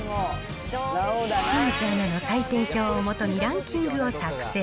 清水アナの採点表をもとにランキングを作成。